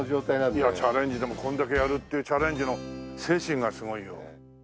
いやチャレンジでもこれだけやるっていうチャレンジの精神がすごいよ。